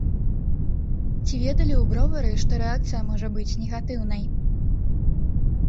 Ці ведалі ў бровары, што рэакцыя можа быць негатыўнай?